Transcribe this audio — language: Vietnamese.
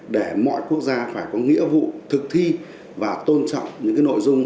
tất cả các quốc gia phải có nghĩa vụ thực thi và tôn trọng những nội dung